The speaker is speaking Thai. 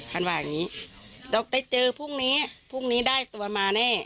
ว่าอย่างนี้เราได้เจอพรุ่งนี้พรุ่งนี้ได้ตัวมาแน่